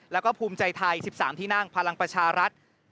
แล้วก็ภูมิใจไทย๑๓ที่นั่งพลังประชารัฐ